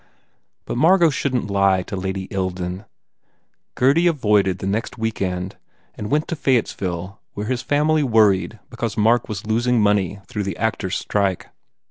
But Margot shouldn t lie to Lady Ilden. Gurdy avoided the next week end and went to Fayettesville where his family worried because Mark was losing money through the actors strike.